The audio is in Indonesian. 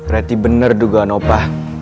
reti bener dugaan opa